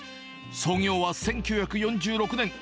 創業は１９４６年。